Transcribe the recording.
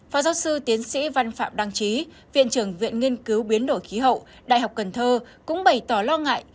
phó giáo sư tiến sĩ văn phạm đăng trí viện trưởng viện nghiên cứu biến đổi khí hậu đại học cần thơ cũng bày tỏ lo ngại